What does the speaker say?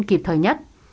và các bạn sinh viên